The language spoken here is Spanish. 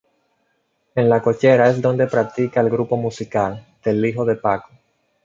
En la cochera es donde practica el grupo musical del hijo de Paco.